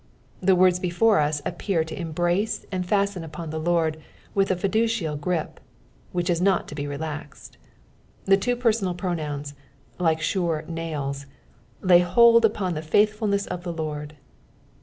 The words before us appear to embrace and fasten upon the Lord with a fiducial grip which is not to be relaxed. The two personal pronouns, like sure nails, lay bold upon the faithfulness of the Lord.